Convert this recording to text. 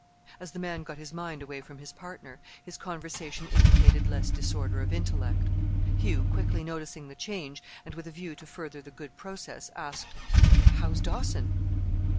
As the man got his mind away from his partner, his conversation indicated less disorder of intellect. Hugh, quickly noticing the change, and with a view to further the good process, asked, "How's Dawson?"